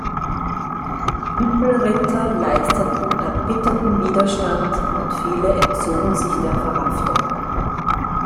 Die Tempelritter leisteten erbitterten Widerstand und viele entzogen sich der Verhaftung.